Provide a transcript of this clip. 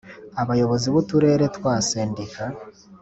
Abayobozi b uturere twa Sendika